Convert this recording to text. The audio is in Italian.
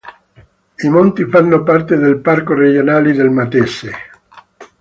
I monti fanno parte del parco regionale del Matese.